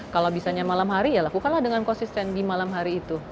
kalau bisanya malam hari ya lakukanlah dengan konsisten di malam hari itu